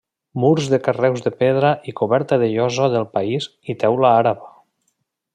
Murs de carreus de pedra i coberta de llosa del país i teula àrab.